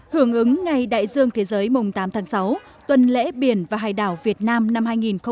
hưởng ứng ngày đại dương thế giới mùng tám tháng sáu tuần lễ biển và hải đảo việt nam năm hai nghìn một mươi chín